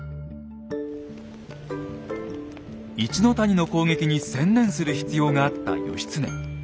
一の谷の攻撃に専念する必要があった義経。